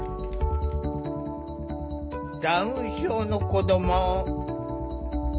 ダウン症の子ども。